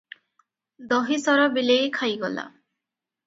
ଦହି ସର ବିଲେଇ ଖାଇଗଲା?